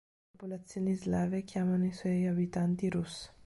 Le popolazioni slave chiamarono i suoi abitanti Rus'.